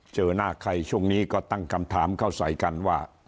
เจอหน้าใครช่วงนี้ก็ตั้งคำถามเข้าใส่กันว่า